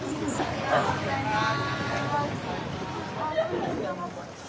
ありがとうございます。